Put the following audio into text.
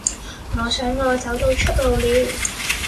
我想我找到出路了